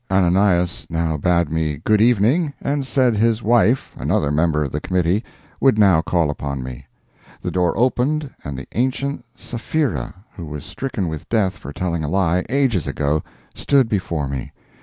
Ananias now bade me good evening, and said his wife, another member of the Committee, would now call upon me. The door opened, and the ancient Sapphira, who was stricken with death for telling a lie, ages ago, stood before me.